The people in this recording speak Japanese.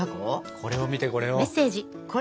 これを見てこれを。